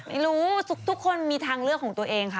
ไม่รู้ทุกคนมีทางเลือกของตัวเองค่ะ